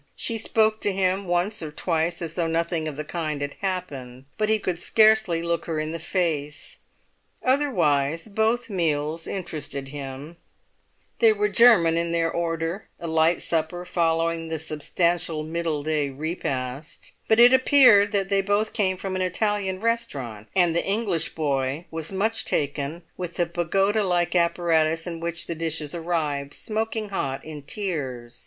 She spoke to him once or twice as though nothing of the kind had happened, but he could scarcely look her in the face. Otherwise both meals interested him; they were German in their order, a light supper following the substantial middle day repast; but it appeared that they both came from an Italian restaurant, and the English boy was much taken with the pagoda like apparatus in which the dishes arrived smoking hot in tiers.